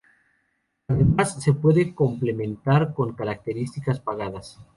Además, se puede complementar con características pagadas.